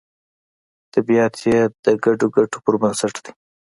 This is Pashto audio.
طبیعت یې د ګډو ګټو پر بنسټ دی